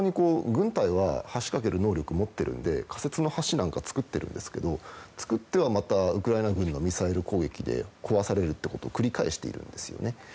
軍隊は橋を架ける能力を持っているので仮設の橋なんかを造ってるんですけど作ってはまたウクライナ軍がミサイル攻撃で壊されるということを繰り返しているんですよね。